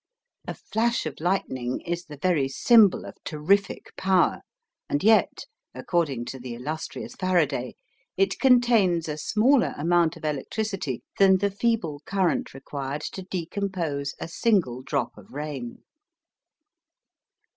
A flash of lightning is the very symbol of terrific power, and yet, according to the illustrious Faraday, it contains a smaller amount of electricity than the feeble current required to decompose a single drop of rain.